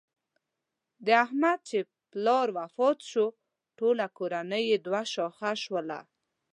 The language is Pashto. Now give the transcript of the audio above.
د احمد چې پلار وفات شو ټوله کورنۍ یې دوه شاخه شوله.